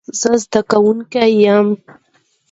زه زدکونکې ېم